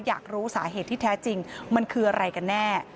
อยากรู้สาเหตุที่แท้จริงมันคืออะไรกันแน่